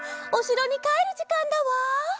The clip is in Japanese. おしろにかえるじかんだわ。